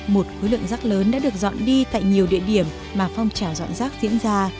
một khối lượng rác lớn đã được dọn đi tại nhiều địa điểm mà phong trào dọn rác diễn ra